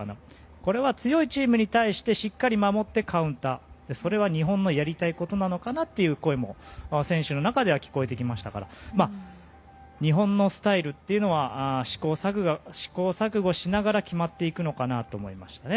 これは強いチームに対してしっかり守ってカウンターそれは日本のやりたいことなのかという声も選手の中では聞こえてきましたから日本のスタイルっていうのは試行錯誤しながら決まっていくのかなと思いましたね。